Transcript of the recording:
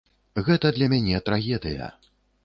Гэта для мяне трагедыя.